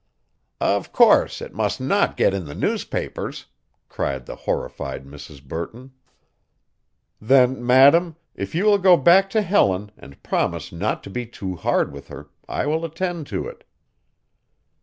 "Of course, it must not get in the newspapers," cried the horrified Mrs. Burton. "Then, madam, if you will go back to Helen and promise not to be too hard with her I will attend to it."